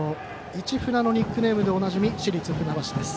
市船のニックネームでおなじみの市立船橋です。